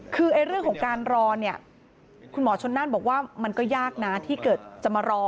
คือเรื่องของการรอเนี่ยคุณหมอชนนั่นบอกว่ามันก็ยากนะที่เกิดจะมารอ